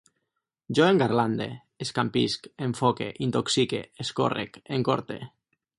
Jo engarlande, escampisc, enfoque, intoxique, escórrec, encorte